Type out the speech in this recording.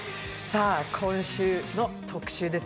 今週の特集です。